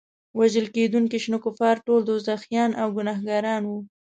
وژل کېدونکي شنه کفار ټول دوزخیان او ګناهګاران وو.